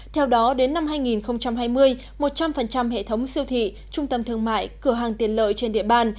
theo đó đến năm hai nghìn hai mươi một trăm linh hệ thống siêu thị trung tâm thương mại cửa hàng tiền lợi trên địa bàn